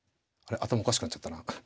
頭おかしくなっちゃったな。